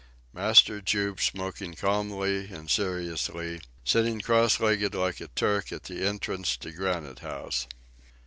Master Jup smoking calmly and seriously, sitting crosslegged like a Turk at the entrance to Granite House!